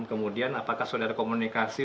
kemudian apakah saudara komunikasi